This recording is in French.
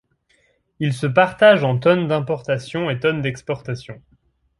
Il se partage en tonnes d'importations et tonnes d'exportations.